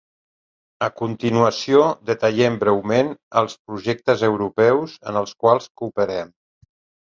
A continuació detallem breument els projectes europeus en els quals cooperem.